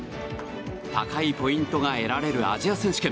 高いポイントが得られるアジア選手権。